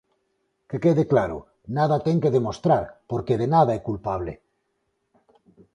Que quede claro: nada ten que demostrar, porque de nada é culpable.